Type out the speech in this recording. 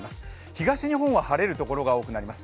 東日本は晴れるところが多くなります。